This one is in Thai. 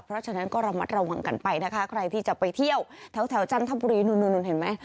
เพราะฉะนั้นก็ระมัดระวังกันไปนะคะใครที่จะไปเที่ยวแถวจันทบุรีนู่นเห็นไหม